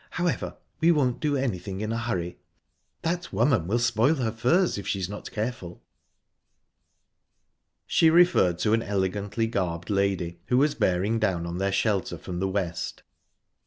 However, we won't do anything in a hurry...That woman will spoil her furs, if she's not careful." She referred to an elegantly garbed lady who was bearing down on their shelter from the west.